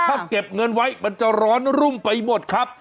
ถ้าเก็บเงินไว้มันจะร้อนรุ่มไปหมดครับ